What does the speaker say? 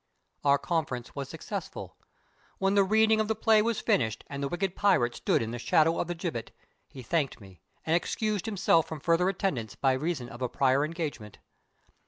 Our conference was successful. When the reading of the play was finished and the wicked pirates stood in the shadow of the gibbet, he thanked me and excused himself from further attendance by reason of a prior engagement.